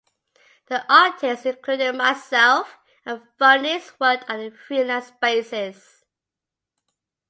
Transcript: The artists, including myself, at Funnies, worked on a freelance basis.